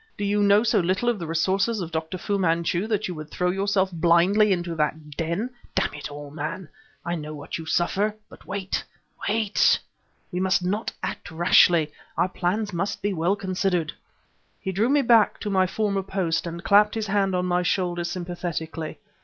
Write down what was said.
"Do you know so little of the resources of Dr. Fu Manchu that you would throw yourself blindly into that den? Damn it all, man! I know what you suffer! but wait wait. We must not act rashly; our plans must be well considered." He drew me back to my former post and clapped his hand on my shoulder sympathetically.